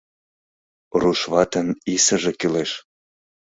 Руш ватын исыже кӱлеш.